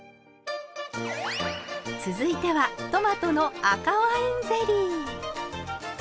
続いてはトマトの赤ワインゼリー。